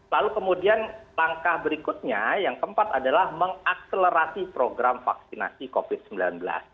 lalu kemudian langkah berikutnya yang keempat adalah mengakselerasi program vaksinasi covid sembilan belas